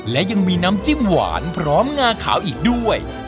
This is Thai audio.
และยังมีน้ำจิ้มหวานพร้อมงาขาวอีกด้วย